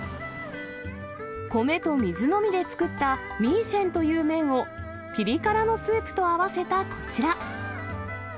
米と水のみで作ったミーシェンという麺を、ピリ辛のスープと合わせたこちら。